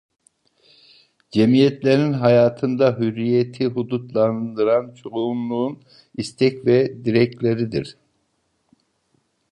Cemiyetlerin hayatında hürriyeti hudutlandıran çoğunluğun istek ve dilekleridir.